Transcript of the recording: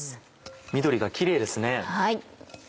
緑がキレイですね。